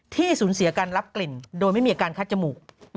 ที่สูญเสียการรับกลิ่นโดยไม่มีอาการคัดจมูก